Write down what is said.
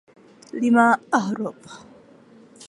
لم أهرب.